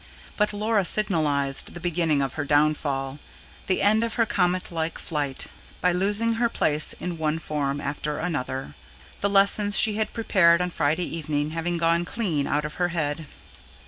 But Laura signalised the beginning of her downfall, the end of her comet like flight, by losing her place in one form after another, the lessons she had prepared on Friday evening having gone clean out of her head.